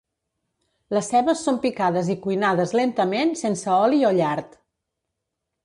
Les cebes són picades i cuinades lentament sense oli o llard.